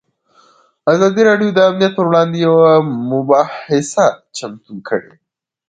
ازادي راډیو د امنیت پر وړاندې یوه مباحثه چمتو کړې.